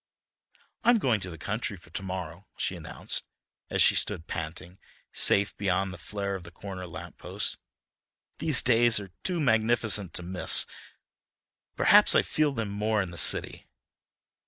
"I'm going to the country for to morrow," she announced, as she stood panting, safe beyond the flare of the corner lamp post. "These days are too magnificent to miss, though perhaps I feel them more in the city."